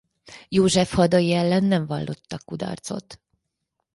József hadai ellen nem vallottak kudarcot.